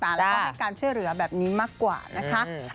แล้วก็ให้การช่วยเหลือแบบนี้มากกว่านะคะ